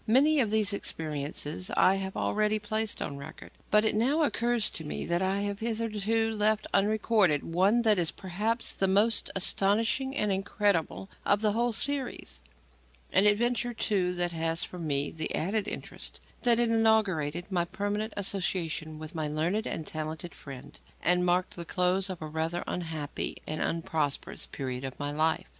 Many of these experiences I have already placed on record; but it now occurs to me that I have hitherto left unrecorded one that is, perhaps, the most astonishing and incredible of the whole series; an adventure, too, that has for me the added interest that it inaugurated my permanent association with my learned and talented friend, and marked the close of a rather unhappy and unprosperous period of my life.